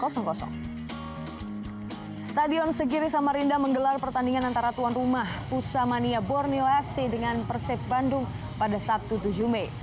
stadion segiri samarinda menggelar pertandingan antara tuan rumah pusamania borneo fc dengan persib bandung pada sabtu tujuh mei